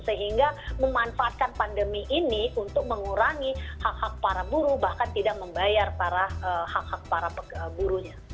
sehingga memanfaatkan pandemi ini untuk mengurangi hak hak para buruh bahkan tidak membayar para hak hak para buruhnya